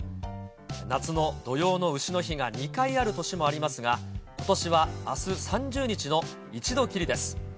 夏の土用のうしの日が２回ある年もありますが、ことしはあす３０日の１度きりです。